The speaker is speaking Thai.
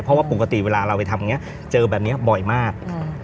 เพราะว่าปกติเวลาเราไปทำอย่างนี้เจอแบบนี้บ่อยมาก